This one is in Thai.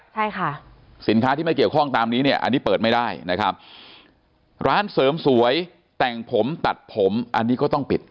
ใช่ค่ะสินค้าที่ไม่เกี่ยวข้องตามนี้เนี่ยอันนี้เปิดไม่ได้นะครับร้านเสริมสวยแต่งผมตัดผมอันนี้ก็ต้องปิด